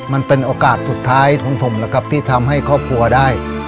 มันเป็นโอกาสสุดท้ายของผมนะครับที่ทำให้ครอบครัวได้